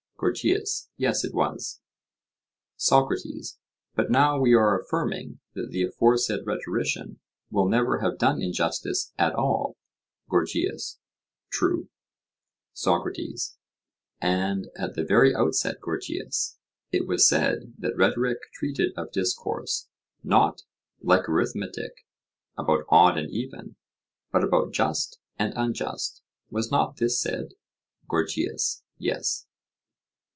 GORGIAS: Yes, it was. SOCRATES: But now we are affirming that the aforesaid rhetorician will never have done injustice at all? GORGIAS: True. SOCRATES: And at the very outset, Gorgias, it was said that rhetoric treated of discourse, not (like arithmetic) about odd and even, but about just and unjust? Was not this said? GORGIAS: Yes.